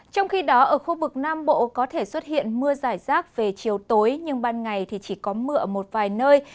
trong khi đó ở khu vực nam bộ có thể xuất hiện mưa giải rác về chiều tối nhưng ban ngày thì chỉ có mưa ở một vài nơi